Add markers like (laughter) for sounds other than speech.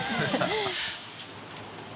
ハハハ (laughs)